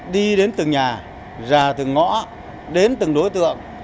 đi đến từng nhà ra từng ngõ đến từng đối tượng